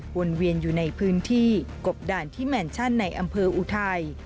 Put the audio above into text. วนเวียนอยู่ในพื้นที่กบด่านที่แมนชั่นในอำเภออุทัย